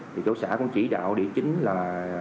thì chủ xã cũng chỉ đạo địa chính là